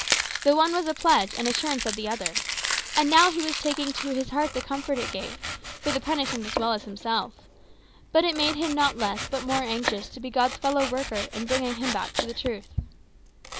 The one was a pledge and assurance of the other. And now he was taking to his heart the comfort it gave, for the penitent as well as for himself. But it made him, not less, but more anxious to be God's fellow worker in bringing him back to the truth.